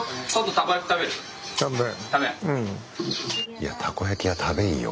いやたこ焼きは食べんよ。